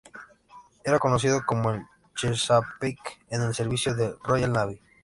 Era conocido como el Chesapeake en el servicio de la Royal Navy.